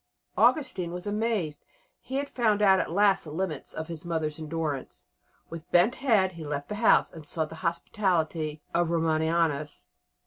Augustine was amazed; he had found out at last the limits of his mother's endurance. With bent head he left the house and sought the hospitality of Romanianus.